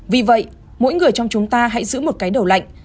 vì vậy mỗi người trong chúng ta hãy giữ một cái đầu lạnh